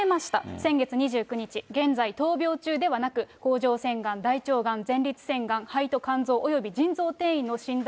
先月２９日、現在、闘病中ではなく、甲状腺がん、大腸がん、前立腺がん、肺と肝臓および腎臓転移の診断